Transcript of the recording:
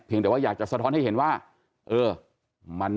แต่ว่าอยากจะสะท้อนให้เห็นว่าเออ